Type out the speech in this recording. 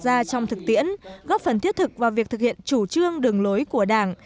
ra trong thực tiễn góp phần thiết thực vào việc thực hiện chủ trương đường lối của đảng